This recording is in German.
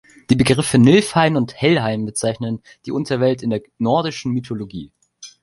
Die Begriffe Niflheim und Helheim bezeichnen die Unterwelt in der nordischen Mythologie.